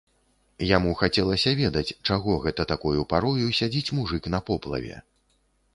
Яму хацелася ведаць, чаго гэта такою парою сядзіць мужык на поплаве.